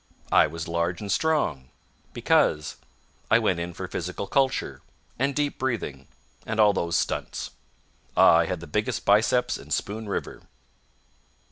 I was large and strong Because I went in for physical culture And deep breathing And all those stunts. I had the biggest biceps in Spoon River.